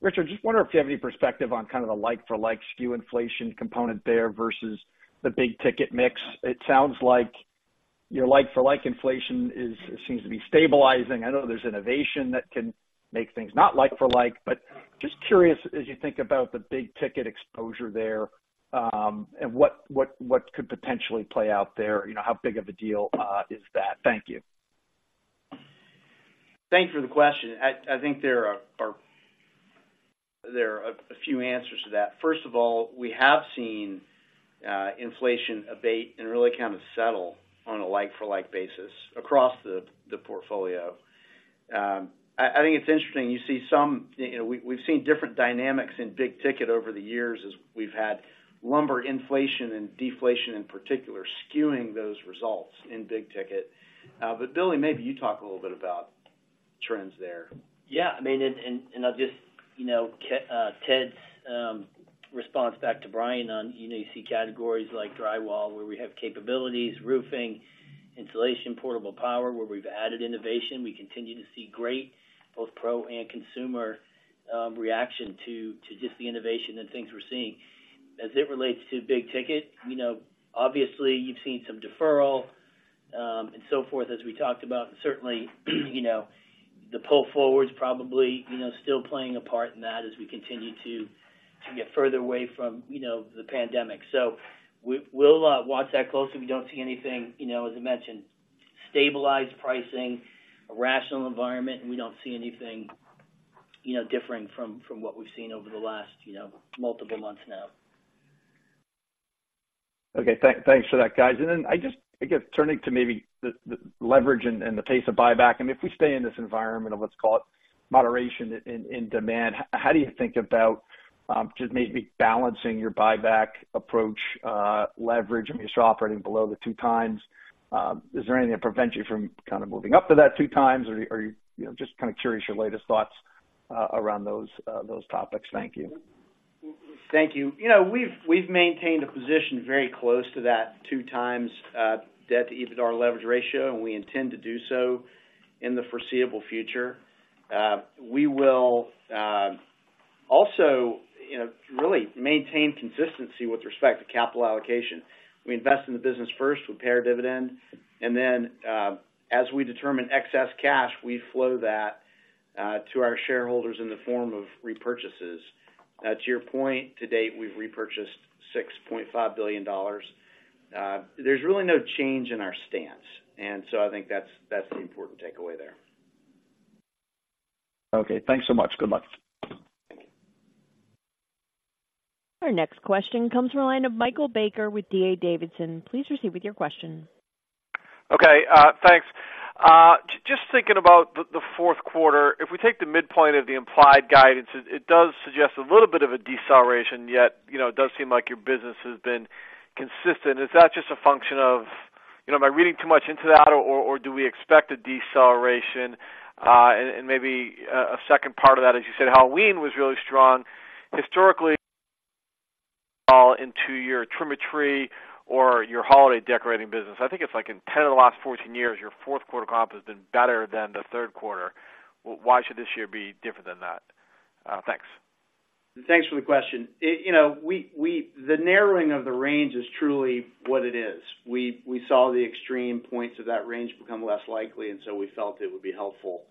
Richard, just wonder if you have any perspective on kind of the like for like SKU inflation component there versus the big ticket mix. It sounds like your like-for-like inflation is, seems to be stabilizing. I know there's innovation that can make things not like for like, but just curious, as you think about the big ticket exposure there, and what, what, what could potentially play out there, you know, how big of a deal is that? Thank you. Thanks for the question. I think there are a few answers to that. First of all, we have seen inflation abate and really kind of settle on a like for like basis across the portfolio. I think it's interesting, you see some, you know, we've seen different dynamics in big ticket over the years as we've had lumber inflation and deflation in particular, skewing those results in big ticket. But Billy, maybe you talk a little bit about trends there. Yeah, I mean, I'll just, you know, Ted, Ted's response back to Brian on, you know, you see categories like drywall, where we have capabilities, roofing, insulation, portable power, where we've added innovation. We continue to see great, both pro and consumer, reaction to just the innovation and things we're seeing. As it relates to big ticket, you know, obviously you've seen some deferral and so forth, as we talked about, certainly, you know, the pull forward is probably, you know, still playing a part in that as we continue to get further away from, you know, the pandemic. So we'll watch that closely. We don't see anything, you know, as I mentioned, stabilized pricing, a rational environment, and we don't see anything, you know, differing from what we've seen over the last, you know, multiple months now. Okay. Thanks for that, guys. And then I just, I guess, turning to maybe the leverage and the pace of buyback. I mean, if we stay in this environment of, let's call it, moderation in demand, how do you think about just maybe balancing your buyback approach, leverage? I mean, you're operating below the 2x. Is there anything that prevents you from kind of moving up to that 2x, or are you? You know, just kind of curious, your latest thoughts around those topics. Thank you. Thank you. You know, we've maintained a position very close to that 2x debt-to-EBITDA leverage ratio, and we intend to do so in the foreseeable future. We will also, you know, really maintain consistency with respect to capital allocation. We invest in the business first, we pay our dividend, and then, as we determine excess cash, we flow that to our shareholders in the form of repurchases. To your point, to date, we've repurchased $6.5 billion. There's really no change in our stance, and so I think that's the important takeaway there. Okay, thanks so much. Good luck. Our next question comes from the line of Michael Baker with D.A. Davidson. Please proceed with your question. Okay, thanks. Just thinking about the fourth quarter, if we take the midpoint of the implied guidance, it does suggest a little bit of a deceleration, yet, you know, it does seem like your business has been consistent. Is that just a function of... You know, am I reading too much into that, or do we expect a deceleration? And maybe a second part of that, as you said, Halloween was really strong. Historically, into your trim a tree or your holiday decorating business. I think it's like in 10 of the last 14 years, your fourth quarter comp has been better than the third quarter. Why should this year be different than that? Thanks. Thanks for the question. You know, we, we. The narrowing of the range is truly what it is. We saw the extreme points of that range become less likely, and so we felt it would be helpful,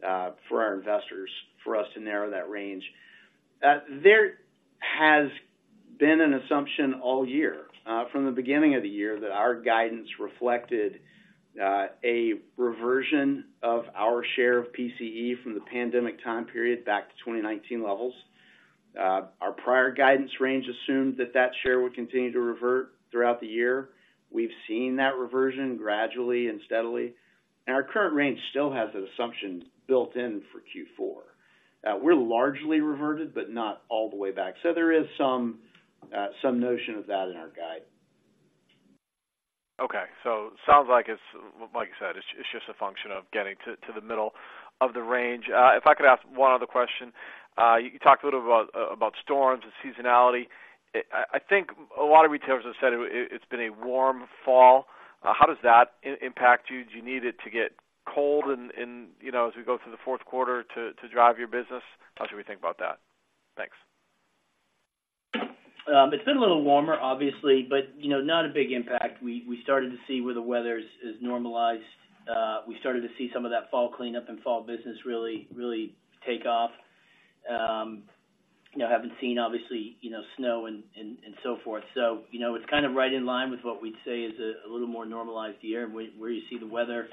for our investors, for us to narrow that range. There has been an assumption all year, from the beginning of the year, that our guidance reflected a reversion of our share of PCE from the pandemic time period back to 2019 levels. Our prior guidance range assumed that that share would continue to revert throughout the year. We've seen that reversion gradually and steadily, and our current range still has that assumption built in for Q4. We're largely reverted, but not all the way back. So there is some, some notion of that in our guide. Okay. So sounds like it's, like you said, it's just a function of getting to the middle of the range. If I could ask one other question. You talked a little about storms and seasonality. I think a lot of retailers have said it, it's been a warm fall. How does that impact you? Do you need it to get cold and, you know, as we go through the fourth quarter to drive your business? How should we think about that? Thanks. It's been a little warmer, obviously, but, you know, not a big impact. We started to see where the weather is normalized. We started to see some of that fall cleanup and fall business really, really take off. You know, haven't seen obviously, you know, snow and so forth. So, you know, it's kind of right in line with what we'd say is a little more normalized year, where you see the weather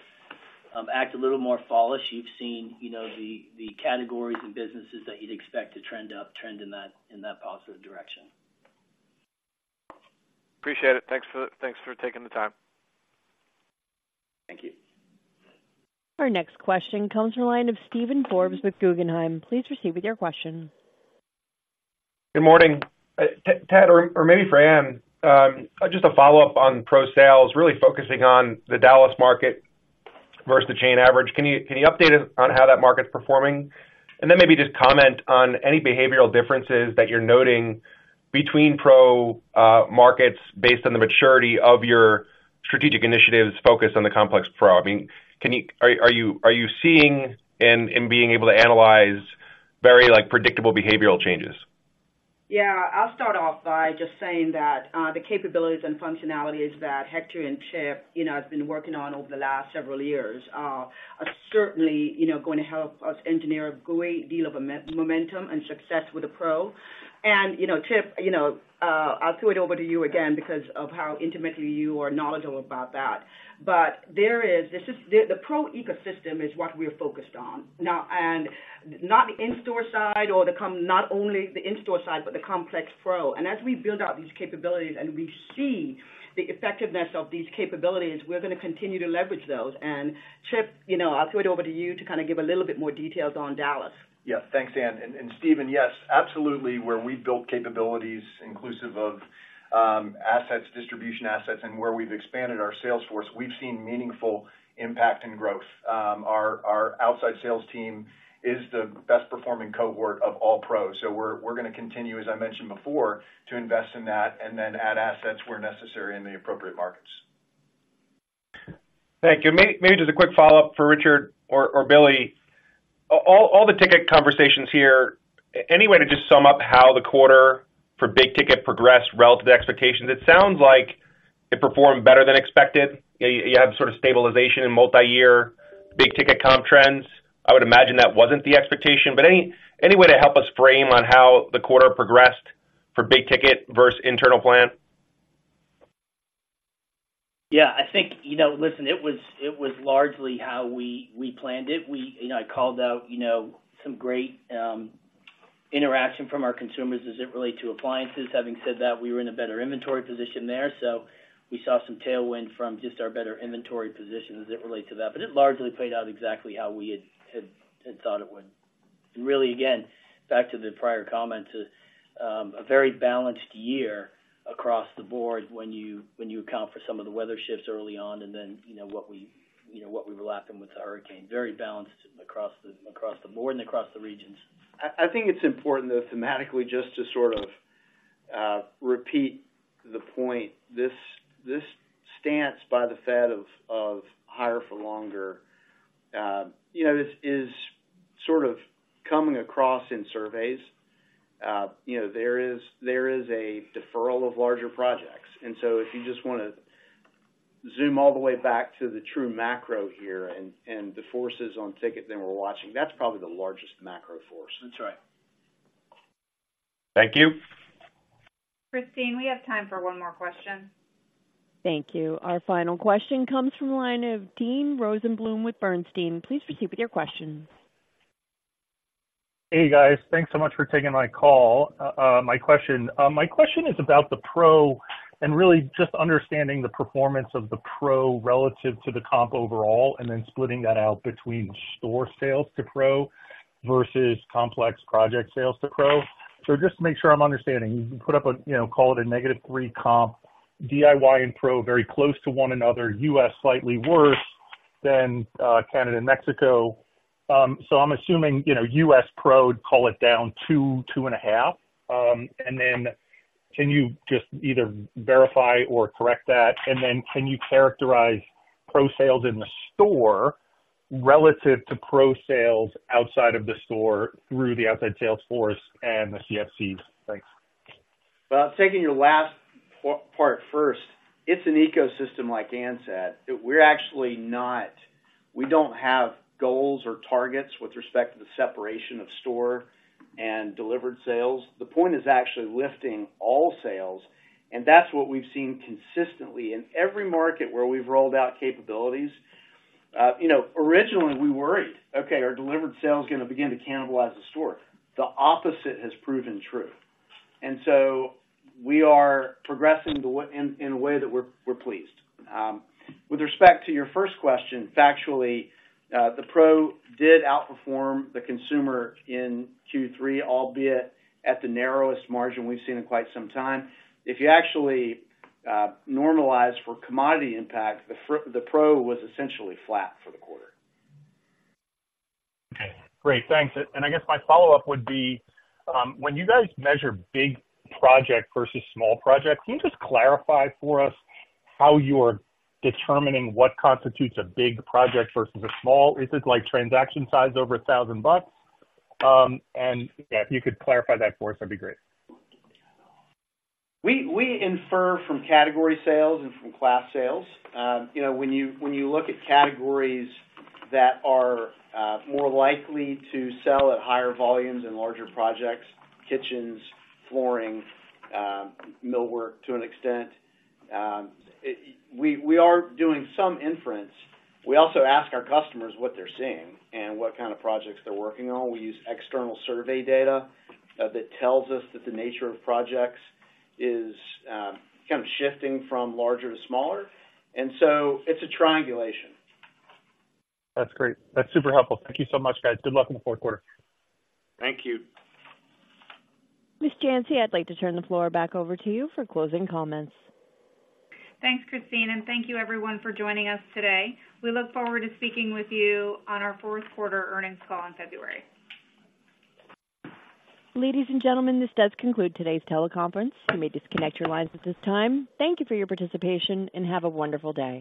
act a little more fallish. You've seen, you know, the categories and businesses that you'd expect to trend up, trend in that positive direction. Appreciate it. Thanks for, thanks for taking the time. Thank you. Our next question comes from the line of Steven Forbes with Guggenheim. Please proceed with your question. Good morning. Ted, or maybe for Ann, just a follow-up on pro sales, really focusing on the Dallas market versus the chain average. Can you update us on how that market's performing? And then maybe just comment on any behavioral differences that you're noting between pro markets based on the maturity of your strategic initiatives focused on the complex pro. I mean, are you seeing and being able to analyze very like predictable behavioral changes? Yeah, I'll start off by just saying that, the capabilities and functionalities that Hector and Chip, you know, have been working on over the last several years, are certainly, you know, going to help us engineer a great deal of momentum and success with the pro. And, you know, Chip, you know, I'll throw it over to you again because of how intimately you are knowledgeable about that. But the pro ecosystem is what we're focused on now, and not the in-store side or not only the in-store side, but the complex pro. And as we build out these capabilities and we see the effectiveness of these capabilities, we're gonna continue to leverage those. And, Chip, you know, I'll throw it over to you to kind of give a little bit more details on Dallas. Yeah. Thanks, Ann. And Steven, yes, absolutely, where we've built capabilities inclusive of assets, distribution assets, and where we've expanded our sales force, we've seen meaningful impact and growth. Our outside sales team is the best performing cohort of all pros. So we're gonna continue, as I mentioned before, to invest in that and then add assets where necessary in the appropriate markets. Thank you. Maybe just a quick follow-up for Richard or Billy. All the ticket conversations here, any way to just sum up how the quarter for big ticket progressed relative to expectations? It sounds like it performed better than expected. You have sort of stabilization in multi-year, big ticket comp trends. I would imagine that wasn't the expectation, but any way to help us frame on how the quarter progressed for big ticket versus internal plan? Yeah, I think, you know, listen, it was largely how we planned it. We, you know, I called out, you know, some great interaction from our consumers as it relate to appliances. Having said that, we were in a better inventory position there, so we saw some tailwind from just our better inventory position as it relates to that. But it largely played out exactly how we had thought it would. And really, again, back to the prior comment, to a very balanced year across the board when you account for some of the weather shifts early on and then, you know, what we were lapping with the hurricane. Very balanced across the board and across the regions. I think it's important, though, thematically, just to sort of repeat the point. This stance by the Fed of higher for longer, you know, is sort of coming across in surveys. You know, there is a deferral of larger projects. And so if you just wanna zoom all the way back to the true macro here and the forces on ticket that we're watching, that's probably the largest macro force. That's right. Thank you. Christine, we have time for one more question. Thank you. Our final question comes from the line of Dean Rosen with Bernstein. Please proceed with your question. Hey, guys. Thanks so much for taking my call. My question is about the pro and really just understanding the performance of the pro relative to the comp overall, and then splitting that out between store sales to pro versus complex project sales to pro. So just to make sure I'm understanding, you put up a, you know, call it a -3 comp, DIY and pro, very close to one another, US slightly worse than Canada and Mexico. So I'm assuming, you know, US pro, call it down 2, 2.5. And then can you just either verify or correct that? And then can you characterize pro sales in the store relative to pro sales outside of the store through the outside sales force and the FDCs? Thanks. Well, taking your last part first, it's an ecosystem, like Ann said. We're actually not. We don't have goals or targets with respect to the separation of store and delivered sales. The point is actually lifting all sales, and that's what we've seen consistently in every market where we've rolled out capabilities. You know, originally, we worried, okay, our delivered sales are gonna begin to cannibalize the store. The opposite has proven true. And so we are progressing the way. In a way that we're pleased. With respect to your first question, factually, the pro did outperform the consumer in Q3, albeit at the narrowest margin we've seen in quite some time. If you actually normalize for commodity impact, the pro was essentially flat for the quarter. Okay, great. Thanks. And I guess my follow-up would be, when you guys measure big project versus small project, can you just clarify for us how you are determining what constitutes a big project versus a small? Is it like transaction size over $1,000? And, yeah, if you could clarify that for us, that'd be great. We infer from category sales and from class sales. You know, when you look at categories that are more likely to sell at higher volumes and larger projects, kitchens, flooring, millwork to an extent, we are doing some inference. We also ask our customers what they're seeing and what kind of projects they're working on. We use external survey data that tells us that the nature of projects is kind of shifting from larger to smaller, and so it's a triangulation. That's great. That's super helpful. Thank you so much, guys. Good luck in the fourth quarter. Thank you. Ms. Janci, I'd like to turn the floor back over to you for closing comments. Thanks, Christine, and thank you everyone for joining us today. We look forward to speaking with you on our fourth quarter earnings call in February. Ladies and gentlemen, this does conclude today's teleconference. You may disconnect your lines at this time. Thank you for your participation, and have a wonderful day.